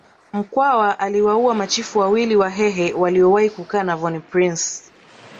Mkwawa aliwaua machifu wawili wahehe waliowahi kukaa na von Prince